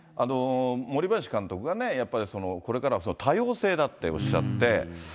森林監督がね、やっぱりこれから多様性だっておっしゃって。